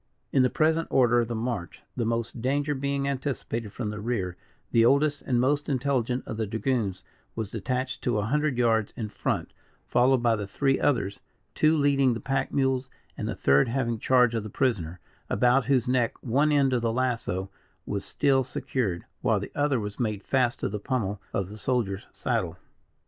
In the present order of the march, the most danger being anticipated from the rear, the oldest and most intelligent of the dragoons was detached to a hundred yards in front, followed by the three others; two leading the pack mules, and the third having charge of the prisoner, about whose neck one end of the lasso was still secured, while the other was made fast to the pummel of the soldier's saddle.